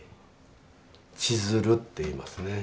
千鶴っていいますね。